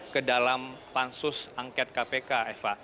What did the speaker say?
ke dalam pansus angket kpk eva